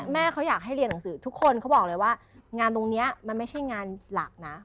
แม่เขาอยากให้เรียนหนังสือทุกคนเขาบอกเลยว่างานตรงนี้มันไม่ใช่งานหลักนะ